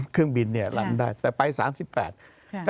เครื่องบินเนี่ยลำได้แต่ไปสามสิบแปด